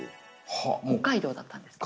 北海道だったんですけど。